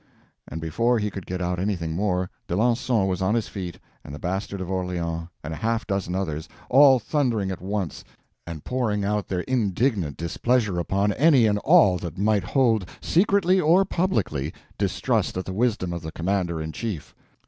And before he could get out anything more, D'Alencon was on his feet, and the Bastard of Orleans, and a half a dozen others, all thundering at once, and pouring out their indignant displeasure upon any and all that might hold, secretly or publicly, distrust of the wisdom of the Commander in Chief.